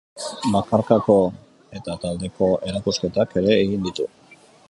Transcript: Bakarkako eta taldeko erakusketak ere egin ditu.